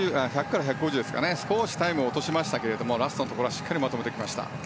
１００から１５０で少しタイムを落としましたけれどもラストのところはしっかりまとめてきました。